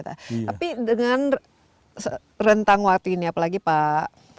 tapi dengan rentang waktu ini apalagi pak